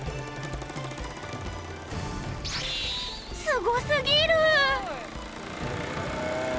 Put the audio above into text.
すごすぎる！